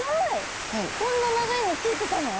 こんな長いのついてたの？